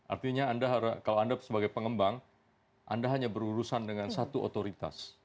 artinya kalau anda sebagai pengembang anda hanya berurusan dengan satu otoritas